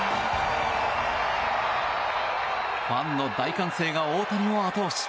ファンの大歓声が大谷を後押し。